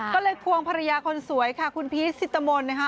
ก็เลยควงภรรยาคนสวยคุณพีชสิตรมนต์